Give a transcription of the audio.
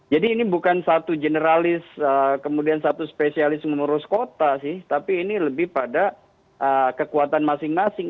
jadi ini bukan satu generalis kemudian satu spesialis mengurus kota sih tapi ini lebih pada kekuatan masing masing